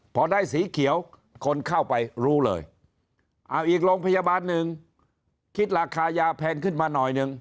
พอได้สีเขียวคนเข้าไปรู้เลยเอาอีกโรงพยาบาลหนึ่งคิดราคายาแพงขึ้นมาหน่อยหนึ่ง